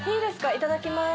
いただきます。